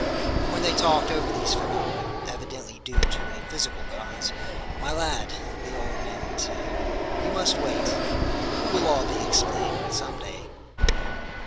And when they talked over these phenomena, evidently due to a physical cause, "My lad," the old man would say, "we must wait. It will all be explained some day."